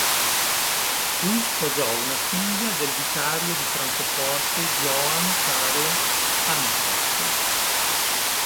Qui sposò una figlia del vicario di Francoforte Johann Carl Hankewitz.